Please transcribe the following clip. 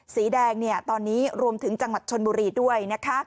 สีแดงตอนนี้รวมถึงจังหวัดชนบุรีด้วยนะคะ